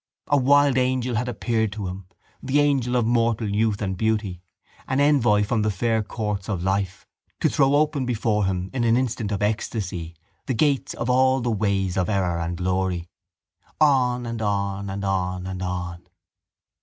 A wild angel had appeared to him, the angel of mortal youth and beauty, an envoy from the fair courts of life, to throw open before him in an instant of ecstasy the gates of all the ways of error and glory. On and on and on and on!